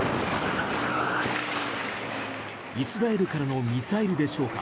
イスラエルからのミサイルでしょうか。